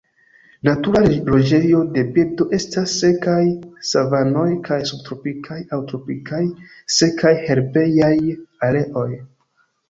Natura loĝejo de birdo estas sekaj savanoj kaj subtropikaj aŭ tropikaj sekaj herbejaj areoj.